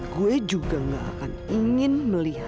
gue mau tengok ngapain